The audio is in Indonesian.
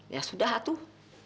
ya sudah atuh